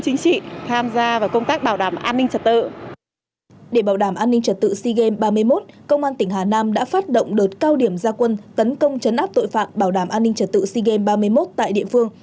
công an tỉnh hà nam đã phát động đợt cao điểm gia quân tấn công chấn áp tội phạm bảo đảm an ninh trật tự sigem ba mươi một tại địa phương